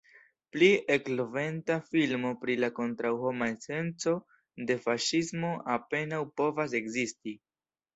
Pli elokventa filmo pri la kontraŭhoma esenco de faŝismo apenaŭ povas ekzisti.